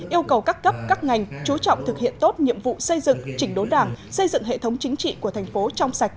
yêu cầu các cấp các ngành chú trọng thực hiện tốt nhiệm vụ xây dựng chỉnh đốn đảng xây dựng hệ thống chính trị của thành phố trong sạch